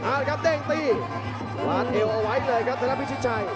อ่านวางินเซ็นวัดเอียวไว้เลยครับทุนับพิชิชัย